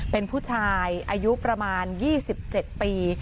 เป็นผู้ชายอายุประมาณ๒๗ปี